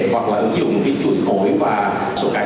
hoặc là ứng dụng cái chuỗi khối và số cải thông tạc